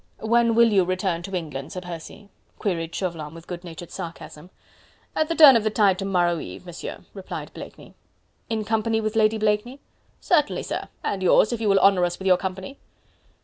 "When will you return to England, Sir Percy?" queried Chauvelin with good natured sarcasm. "At the turn of the tide to morrow eve, Monsieur," replied Blakeney. "In company with Lady Blakeney?" "Certainly, sir... and yours if you will honour us with your company."